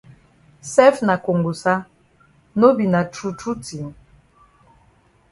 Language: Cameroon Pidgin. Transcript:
Sef na kongosa no be na true true tin?